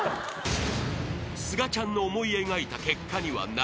［すがちゃんの思い描いた結果にはならず］